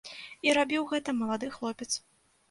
І рабіў гэта малады хлопец.